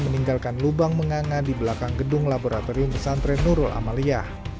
meninggalkan lubang menganga di belakang gedung laboratorium pesantren nurul amaliyah